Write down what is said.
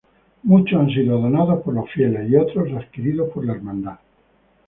Muchos han sido donados por los fieles y otros adquiridos por la Hermandad.